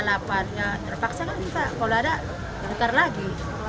ya terpaksa kan kita kalau ada nukar lagi